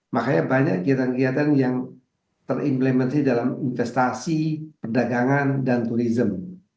makanya banyak kegiatan kegiatan yang terimplementasi dalam investasi perdagangan dan turisme